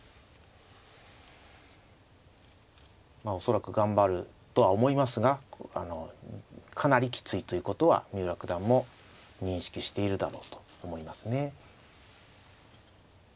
まあ恐らく頑張るとは思いますがかなりきついということは三浦九段も認識しているだろうと思いますね。